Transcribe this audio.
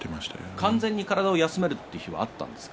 完全に体を休める日はあったんですか？